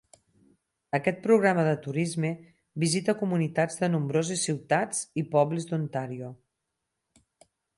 Aquest programa de turisme visita comunitats de nombroses ciutats i pobles d'Ontario.